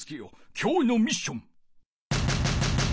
今日のミッション！